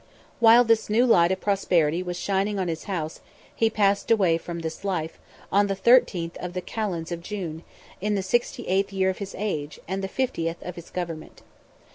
While this new light of prosperity was shining on his house, he passed away from this life, on the 13th of the Kalends of June, in the 68th year of his age, and the 50th of his government.